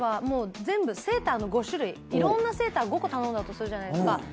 もう全部セーターの５種類いろんなセーター５個頼んだとするじゃないですか。